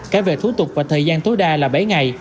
cả về thủ tục và thời gian tối đa là bảy ngày